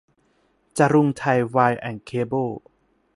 จรุงไทยไวร์แอนด์เคเบิ้ล